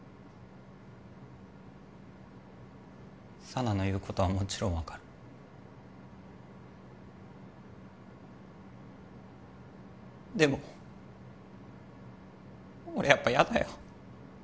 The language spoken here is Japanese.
佐奈の言うことはもちろん分かるでも俺やっぱヤダよ